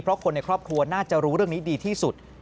เพราะคนในครอบครัวน่าจะรู้เรื่องนี้ดีที่สุด